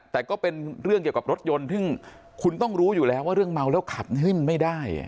แต่ก็เป็นเรื่องเกี่ยวกับรถยนต์ซึ่งคุณต้องรู้อยู่แล้วว่าเรื่องเมาแล้วขับมันไม่ได้